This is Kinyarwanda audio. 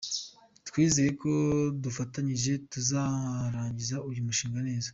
Twizera ko dufatanyije tuzarangiza uyu mushinga neza.